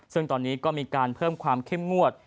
ซึ่งตอนนี้ก็มีการเพิ่มความเข้มงวด